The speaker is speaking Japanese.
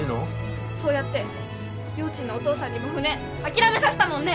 そうやってりょーちんのお父さんにも船諦めさせたもんね！